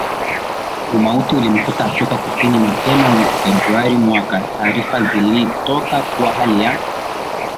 Umauti ulimkuta Afrika Kusini Mapema mwezi februari mwaka taarifa zilitoka kuwa hali ya